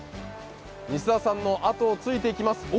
西沢さんのあとをついていきます。